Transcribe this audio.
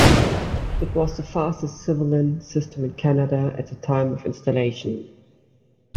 It was the fastest civilian system in Canada at the time of installation.